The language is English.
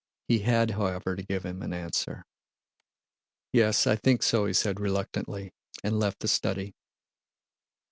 He had, however, to give him an answer. "Yes, I think so," he said reluctantly, and left the study.